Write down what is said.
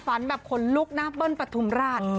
ฝันแบบขนลุกหน้าเบิ้ลปฐุมราช